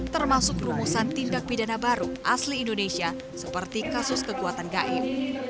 termasuk rumusan tindak pidana baru asli indonesia seperti kasus kekuatan gaib